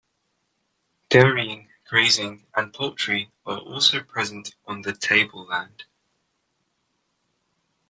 Dairying, grazing and poultry are also present on the Tableland.